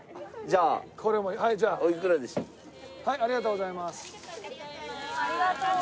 ありがとうございます。